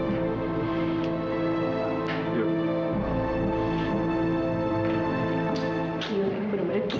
ini udah berhenti